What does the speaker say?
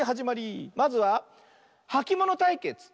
まずははきものたいけつ。